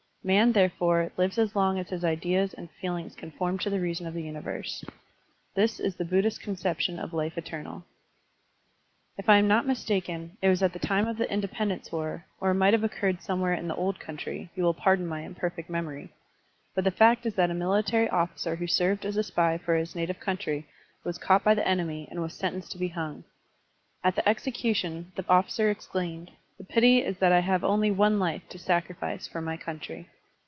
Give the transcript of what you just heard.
Man, therefore, lives as long as his ideas and feelings conform to the reason of the tuiiverse. This is the Buddhist conception of life eternal. ^Address at the George Washington University, April, 1906. 170 Digitized by Google BUDDHISM AND ORIENTAL CULTURE 171 If I am not mistaken, it was at the time of the Independence War, or it might have occurred somewhere in the Old Country, — ^you will pardon my imperfect memory, — ^but the fact is that a military officer who served as a spy for his native country was caught by the enemy and was sentenced to be hung. At the execution the officer exclaimed, "The pity is that I have only one life to sacrifice for my country."